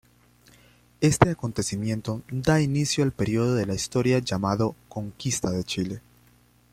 Este acontecimiento da inicio al periodo de la historia llamado Conquista de Chile.